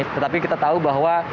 tetapi kita tahu bahwa